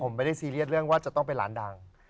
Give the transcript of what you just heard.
ผมไม่ได้ซีเรียสเรื่องว่าจะต้องไปร้านดัง